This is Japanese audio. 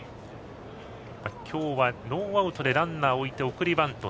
今日はノーアウトでランナーを置いて送りバント。